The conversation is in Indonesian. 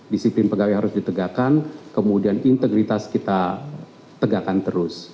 disiplin pegawai harus ditegakkan kemudian integritas kita tegakkan terus